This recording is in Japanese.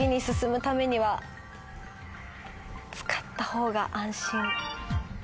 使った方が安心。